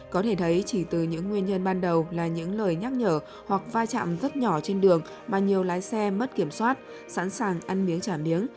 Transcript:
có thể thấy chỉ từ những nguyên nhân ban đầu là những lời nhắc nhở hoặc va chạm rất nhỏ trên đường mà nhiều lái xe mất kiểm soát sẵn sàng ăn miếng trả miếng